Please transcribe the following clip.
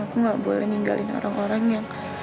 aku gak boleh ninggalin orang orang yang